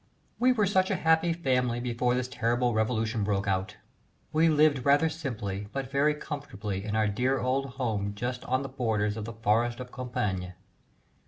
_ WE were such a happy family before this terrible revolution broke out: we lived rather simply but very comfortably in our dear old home just on the borders of the forest of Compiègne.